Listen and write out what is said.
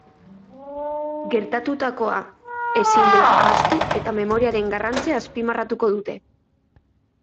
Gertatutakoa ezin dela ahaztu eta memoriaren garrantzia azpimarratuko dute.